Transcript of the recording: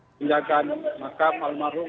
pindahkan makam almarhum